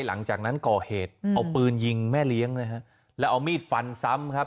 หลังจากนั้นก่อเหตุเอาปืนยิงแม่เลี้ยงนะฮะแล้วเอามีดฟันซ้ำครับ